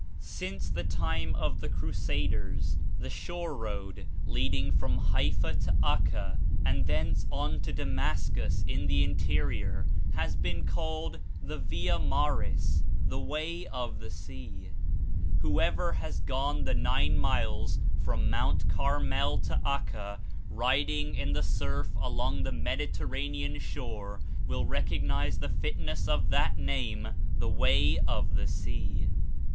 Since the time of the Crusaders the shore road, leading from Haifa to Acca and thence on to Dam ascus in the interior, has been called the "via maris," the "way of the sea." Whoever has gone the nine miles from Mt. Carmel to Acca, riding in the surf along the Mediterranean shore, will recognize the fit ness of that name "the way of the sea."